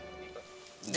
siapa yang nyuruh